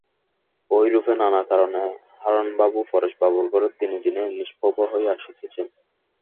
এইরূপে নানা কারণে হারানবাবু পরেশবাবুর ঘরে দিনে দিনে নিষ্প্রভ হইয়া আসিতেছেন।